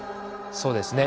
そうですね。